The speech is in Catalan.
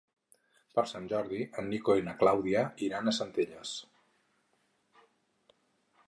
Per Sant Jordi en Nico i na Clàudia iran a Centelles.